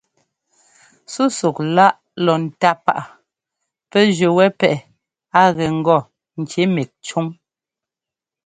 Sɛ́súk-láꞌ lɔ ńtá páꞌa pɛ́ jʉ́ wɛ́ pɛ́ꞌɛ a gɛ ŋgɔ ŋki mík cúŋ.